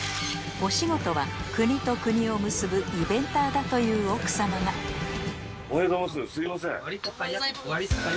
お仕事は国と国を結ぶイベンターだという奥様がおはようございますすいません